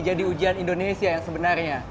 jadi ujian indonesia yang sebenarnya